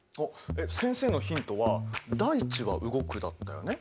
先生のヒントは「大地は動く」だったよね。